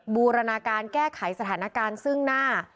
บูรณาการแก้ไขสถานการณ์ซึ่งหน้า